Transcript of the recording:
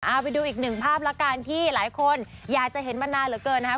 เอาไปดูอีกหนึ่งภาพละกันที่หลายคนอยากจะเห็นมานานเหลือเกินนะครับ